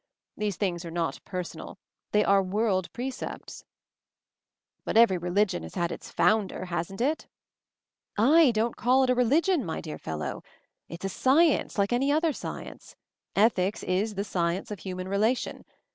These things are not per sonal — they are world percepts." MOVING THE MOUNTAIN 247 "But every religion has had its Founder, hasn't it?" "Z don't call it a religion, my dear fellow! It's a science, like any other science. Ethics is The Science of Human Relation.